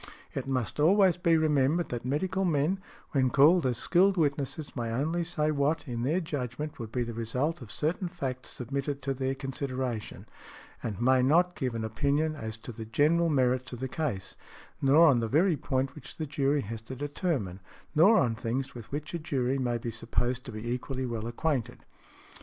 It must always be remembered that medical men, when called as skilled witnesses, may only say what, in their judgment, would be the result of certain facts submitted to their consideration, and may not give an opinion as to |119| the general merits of the case, nor on the very point which the jury has to determine, nor on things with which a jury may be supposed to be equally well acquainted .